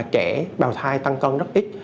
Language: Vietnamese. trẻ bào thai tăng cân rất ít